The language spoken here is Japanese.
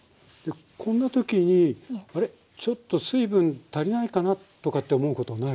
こんなときにあれちょっと水分足りないかなとかって思うことないですかね？